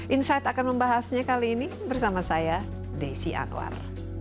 insight akan membahasnya kali ini bersama saya desi anwar